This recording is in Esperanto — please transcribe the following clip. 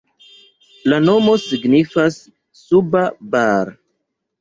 La nomo signifas suba Bar.